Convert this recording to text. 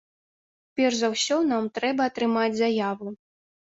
Перш за ўсё нам трэба атрымаць заяву.